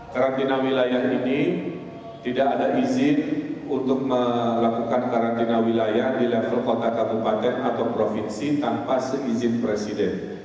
karantina wilayah ini tidak ada izin untuk melakukan karantina wilayah di level kota kabupaten atau provinsi tanpa seizin presiden